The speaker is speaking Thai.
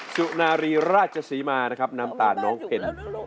สุนารีราชศรีมานะครับน้ำตาลน้องเพล